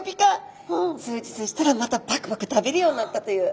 数日したらまたパクパク食べるようになったという。